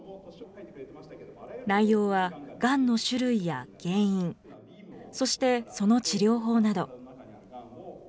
内容はがんの種類や原因、そしてその治療法など。